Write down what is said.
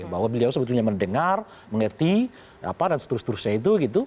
bahwa beliau sebetulnya mendengar mengerti apa dan setelah itu